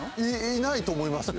いないと思いますよ